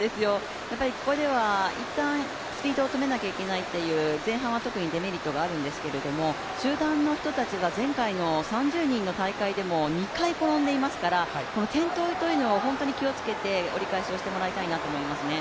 ここでは一旦、スピードを止めなきゃ行けないという前半は特にデメリットがあるんですけども、集団の人たちは前回の３０人の大会でも２回転んでいますから、転倒というのを本当に気をつけて折り返しをしてもらいたいなと思いますね。